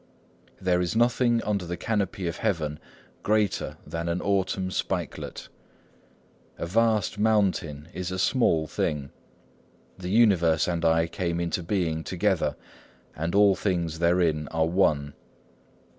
"There is nothing under the canopy of Heaven greater than an autumn spikelet. A vast mountain is a small thing. The universe and I came into being together; and all things therein are One.